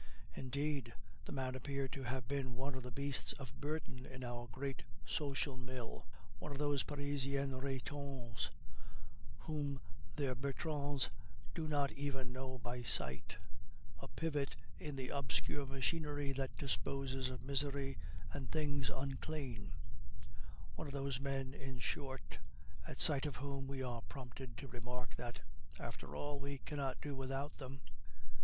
Indeed, the man appeared to have been one of the beasts of burden in our great social mill; one of those Parisian Ratons whom their Bertrands do not even know by sight; a pivot in the obscure machinery that disposes of misery and things unclean; one of those men, in short, at sight of whom we are prompted to remark that, "After all, we cannot do without them."